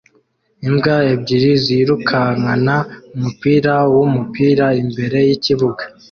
Imbwa ebyiri zirukankana umupira wumupira imbere yikibuga